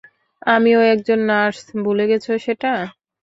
আমিও একজন নার্স, ভুলে গেছ সেটা?